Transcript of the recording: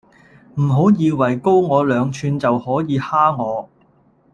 唔好以為高我兩吋就可以蝦我